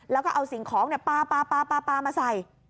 แล้วก็เอาสิ่งของปลามาใส่